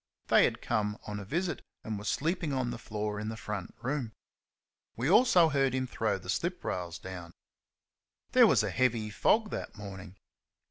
They had come on a visit, and were sleeping on the floor in the front room. We also heard him throw the slip rails down. There was a heavy fog that morning.